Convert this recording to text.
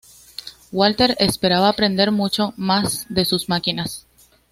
Walter esperaba aprender mucho de sus máquinas.